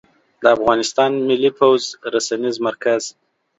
د افغانستان ملى پوځ رسنيز مرکز